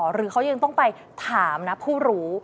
หรือเขายังต้องไปถามนะผู้รู้